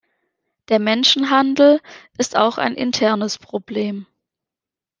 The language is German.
Der Menschenhandel ist auch ein internes Problem.